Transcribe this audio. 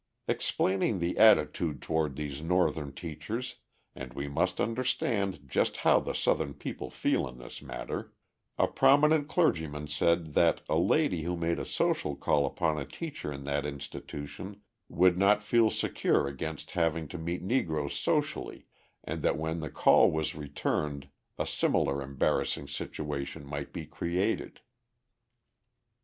Explaining the attitude toward these Northern teachers (and we must understand just how the Southern people feel in this matter), a prominent clergyman said that a lady who made a social call upon a teacher in that institution would not feel secure against having to meet Negroes socially and that when the call was returned a similar embarrassing situation might be created.